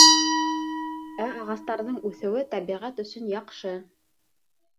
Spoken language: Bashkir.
Ә ағастарҙың үҫеүе тәбиғәт өсөн яҡшы.